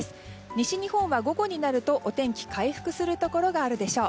西日本は午後になるとお天気回復するところがあるでしょう。